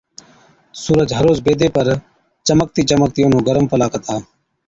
سُورج هر روز بيدي پر چمڪتِي چمڪتِي اونهُون گرم پلا ڪتا۔